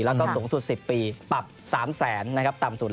แล้วก็สูงสุด๑๐ปีปรับ๓๐๐๐๐๐ต่ำสุด